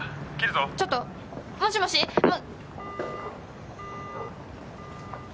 ちょっともしもし。も。